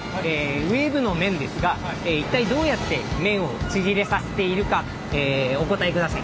ウェーブの麺ですが一体どうやって麺を縮れさせているかお答えください。